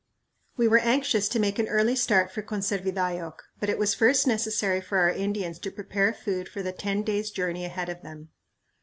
We were anxious to make an early start for Conservidayoc, but it was first necessary for our Indians to prepare food for the ten days' journey ahead of them.